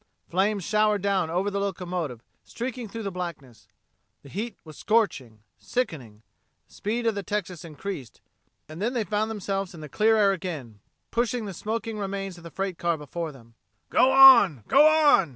Flames showered down over the locomotive, streaking through the blackness. The heat was scorching, sickening. The speed of the Texas increased. And then they found themselves in the clear air again, pushing the smoking remains of the freight car before them. "Go on! Go on!"